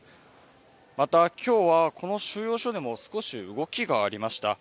また、今日はこの収容所でも少し動きがありました。